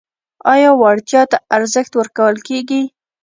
آیا وړتیا ته ارزښت ورکول کیږي؟